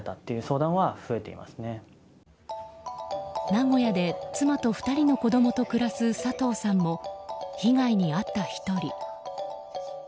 名古屋で妻と２人の子供と暮らす佐藤さんも被害に遭った１人。